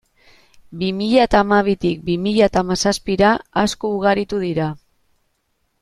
Bi mila eta hamabitik bi mila hamazazpira, asko ugaritu dira.